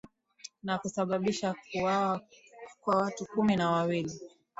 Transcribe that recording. na kusabisha kuwawa kwa watu kumi na wawili